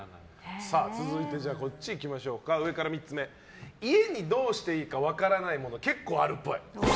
続いて、上から３つ目家にどうしていいか分からない物結構あるっぽい。